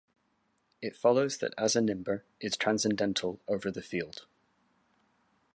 It follows that as a nimber, is transcendental over the field.